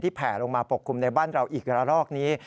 แผลลงมาปกคลุมในบ้านเราอีกระลอกนี้